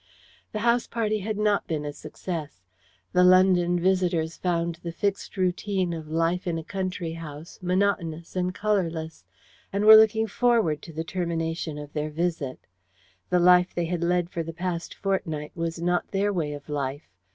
The house party had not been a success. The London visitors found the fixed routine of life in a country house monotonous and colourless, and were looking forward to the termination of their visit. The life they had led for the past fortnight was not their way of life.